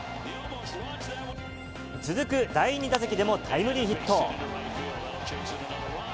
続く第２打席でもタイムリーヒット。